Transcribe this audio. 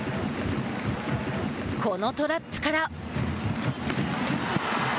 このトラップから。